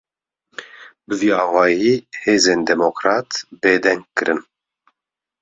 Bi vî awayî, hêzên demokrat bêdeng kirin